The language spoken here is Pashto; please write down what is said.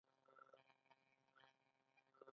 خلاصه که او خلاصه که.